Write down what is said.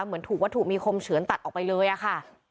เหมือนถูกวัตถุมีคมเฉือนตัดออกไปเลยอะค่ะ